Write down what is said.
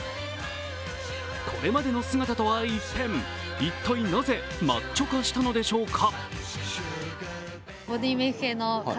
これまでの姿とは一転、一体なぜマッチョ化したのでしょうか。